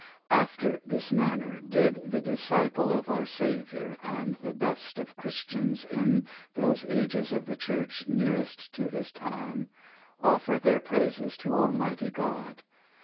After this manner did the disciples of our Saviour, and the best of Christians in those ages of the Church nearest to His time, offer their praises to Almighty God.